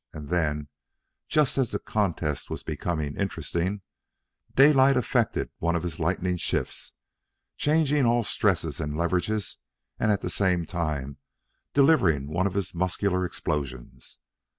And then, just as the contest was becoming interesting, Daylight effected one of his lightning shifts, changing all stresses and leverages and at the same time delivering one of his muscular explosions.